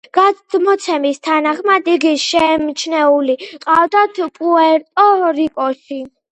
გადმოცემის თანახმად იგი შემჩნეული ყავთ პუერტო-რიკოში.